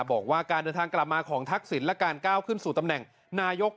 บอกว่าการเดินทางกลับมาของทักษิณและการก้าวขึ้นสู่ตำแหน่งนายก